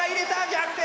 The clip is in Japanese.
逆転！